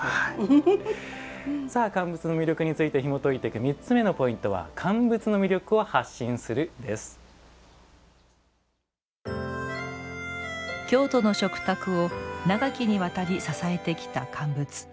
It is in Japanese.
さあ乾物の魅力についてひもといていく３つ目のポイントは京都の食卓を長きにわたり支えてきた乾物。